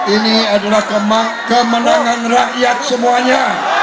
ini adalah kemenangan rakyat semuanya